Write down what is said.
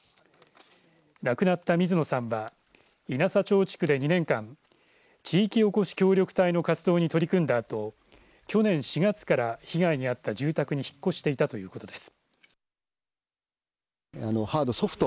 亡くなった水野さんは引佐町地区で２年間地域おこし協力隊の活動に取り組んだあと、去年４月から被害に遭った住宅に引っ越していたということです。